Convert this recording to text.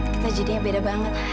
kita jadinya beda banget